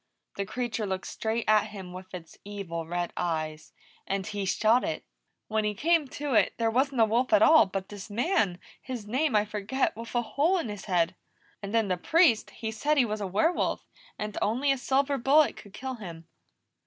The creature looked straight at him with its evil red eyes, and he shot it. When he came to it, there wasn't a wolf at all, but this man his name I forget with a hole in his head. And then the Priest, he said he was a werewolf, and only a silver bullet could kill him.